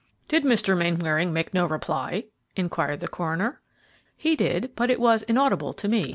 "Did Mr. Mainwaring make no reply?" inquired the coroner. "He did, but it was inaudible to me."